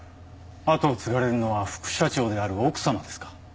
後を継がれるのは副社長である奥様ですか？